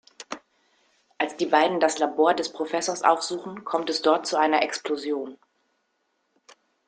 Als die beiden das Labor des Professors aufsuchen, kommt es dort zu einer Explosion.